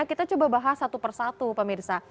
kita coba bahas satu per satu pak mirza